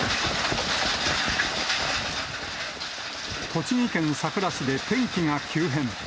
栃木県さくら市で天気が急変。